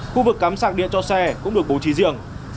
khu vực cắm sạc điện cho xe cũng được bố trí riêng